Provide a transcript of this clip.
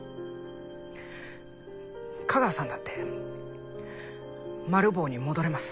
架川さんだってマル暴に戻れます。